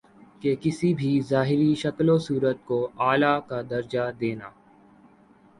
کہ کسی بھی ظاہری شکل و صورت کو الہٰ کا درجہ دینا